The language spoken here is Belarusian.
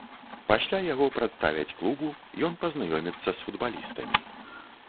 Пасля яго прадставяць клубу, ён пазнаёміцца з футбалістамі.